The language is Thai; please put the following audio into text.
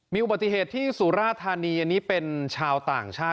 มีบัตริเหตุที่สูราธานีเป็นชาวต่างชาติ